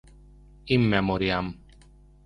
In memoriam.